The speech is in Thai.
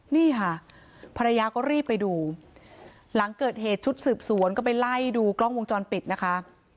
นี่ค่ะภรรยาก็รีบไปดูหลังเกิดเหตุชุดสืบสวนก็ไปไล่ดูกล้องวงจรปิดนะคะ